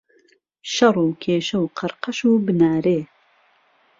شەڕ و کێشە و قەڕقەش و بنارێ.